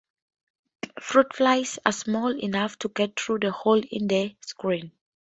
Fruit flies are small enough to get through the holes in the screen.